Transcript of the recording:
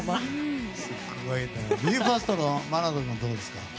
ＢＥ：ＦＩＲＳＴのＭＡＮＡＴＯ君どうですか？